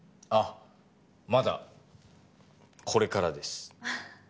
あっまだこれからです。